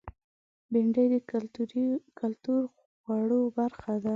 بېنډۍ د کلتور خوړو برخه ده